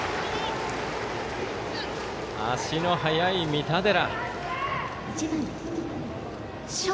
足の速い三田寺。